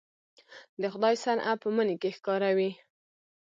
د خدای صنع په مني کې ښکاره وي